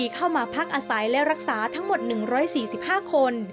เข้ามาพักอาศัยและรักษาทั้งหมด๑๔๕คน